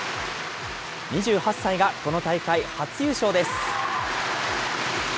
２８歳がこの大会初優勝です。